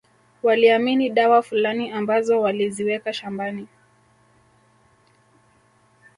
Waliamini dawa fulani ambazo waliziweka shambani